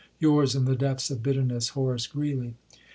Yours, in the depths of bitterness, MS. Horace Greeley.